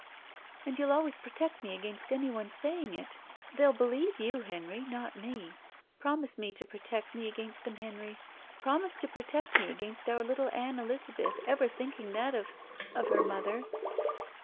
And you'll always protect me against anyone sajdng it? They'll believe you, Henry, not me. Promise me to protect me against them, Henry. Promise to protect me against otir little Ann Elizabeth ever thinking that of — of her mother."